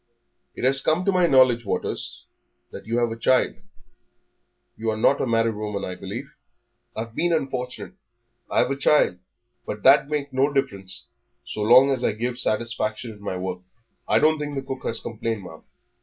"It has come to my knowledge, Waters, that you have a child. You're not a married woman, I believe?" "I've been unfortunate; I've a child, but that don't make no difference so long as I gives satisfaction in my work. I don't think that the cook has complained, ma'am."